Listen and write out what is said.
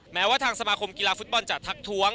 แม้ว่าทางสมาคมฟุตบอลจัดสัดถ้วง